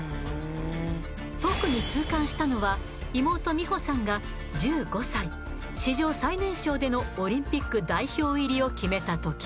特に痛感したのは妹・美帆さんが１５歳史上最年少でのオリンピック代表入りを決めた時。